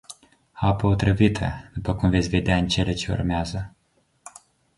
Apă otrăvită, după cum veți vedea în cele ce urmează.